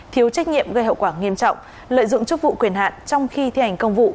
thiếu trách nhiệm gây hậu quả nghiêm trọng lợi dụng chức vụ quyền hạn trong khi thi hành công vụ